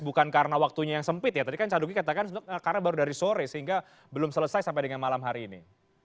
bukan karena waktunya yang sempit ya tadi kan caduki katakan karena baru dari sore sehingga belum selesai sampai dengan malam hari ini